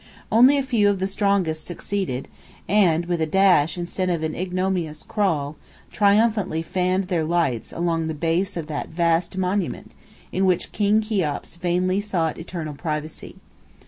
Only a few of the strongest succeeded, and, with a dash instead of an ignominious crawl, triumphantly fanned their lights along the base of that vast monument in which King Cheops vainly sought eternal privacy.